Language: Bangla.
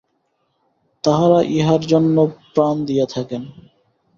তাঁহারা ইহার জন্য প্রাণ দিয়া থাকেন।